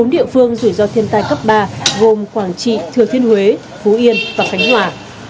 bốn địa phương rủi ro thiên tai cấp ba gồm quảng trị thừa thiên huế phú yên và khánh hòa